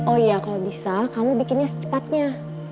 oh iya kalau bisa kamu bikinnya secepatnya